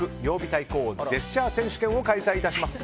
対抗ジェスチャー選手権を開催致します。